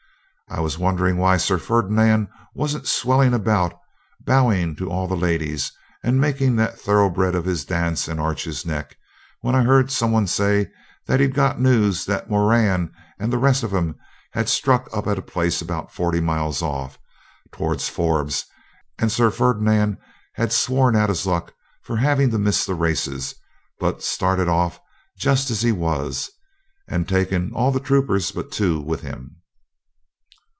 I was wondering why Sir Ferdinand wasn't swelling about, bowing to all the ladies, and making that thoroughbred of his dance and arch his neck, when I heard some one say that he'd got news that Moran and the rest of 'em had stuck up a place about forty miles off, towards Forbes, and Sir Ferdinand had sworn at his luck for having to miss the races; but started off just as he was, and taken all the troopers but two with him.